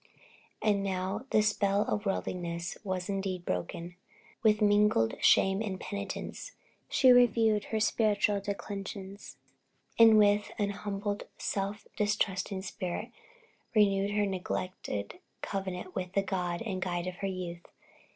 And now the spell of worldliness was indeed broken. With mingled shame and penitence she reviewed her spiritual declensions, and with an humbled, self distrusting spirit renewed her neglected covenant with the God and guide of her youth.